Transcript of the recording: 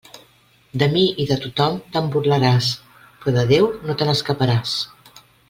De mi i de tothom te'n burlaràs, però de Déu, no te n'escaparàs.